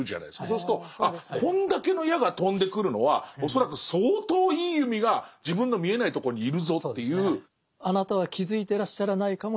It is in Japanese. そうするとあこんだけの矢が飛んでくるのは恐らく相当いい弓が自分の見えないとこにいるぞっていう。